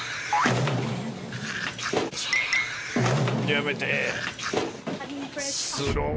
やめてー。